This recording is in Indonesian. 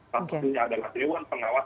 maksudnya adalah dewan pengawas